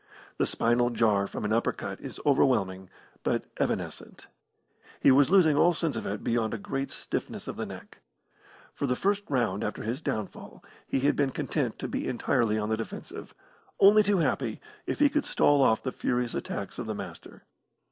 The spinal jar from an upper cut is overwhelming, but evanescent. He was losing all sense of it beyond a great stiffness of the neck. For the first round after his downfall he had been content to be entirely on the defensive, only too happy if he could stall off the furious attacks of the Master.